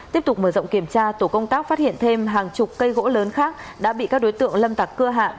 tiếp tục mở rộng kiểm tra tổ công tác phát hiện thêm hàng chục cây gỗ lớn khác đã bị các đối tượng lâm tặc cưa hạ